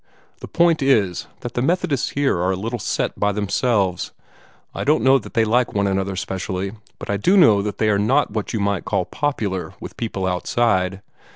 "The point is that the Methodists here are a little set by themselves. I don't know that they like one another specially, but I do know that they are not what you might call popular with people outside.